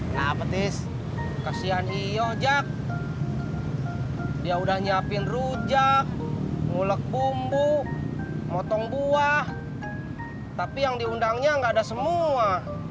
nah petis kasihan i ojek dia udah nyiapin rujak ngulek bumbu motong buah tapi yang diundangnya nggak ada semua